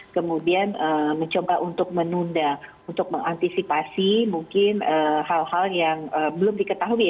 kemudian mencoba untuk menunda untuk mengantisipasi mungkin hal hal yang belum diketahui